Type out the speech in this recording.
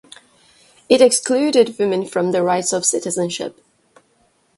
It excluded women from the rights of citizenship.